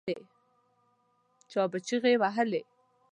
چا به چیغې وهلې.